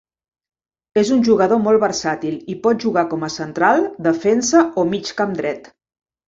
És un jugador molt versàtil i por jugar com a central, defensa o mig camp dret.